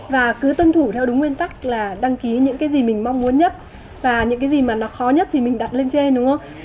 và cứ tuân thủ theo đúng nguyên tắc là đăng ký những cái gì mình mong muốn nhất và những cái gì mà nó khó nhất thì mình đặt lên trên đúng không